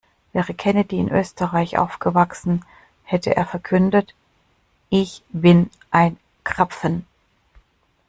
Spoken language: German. Wäre Kennedy in Österreich aufgewachsen, hätte er verkündet: Ich bin ein Krapfen!